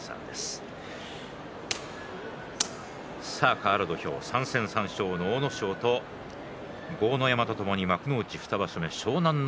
かわる土俵、３戦３勝の阿武咲と豪ノ山とともに幕内２場所目湘南乃